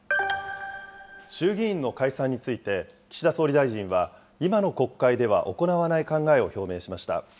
衆議院の解散について、岸田総理大臣は今の国会では行わない考えを表明しました。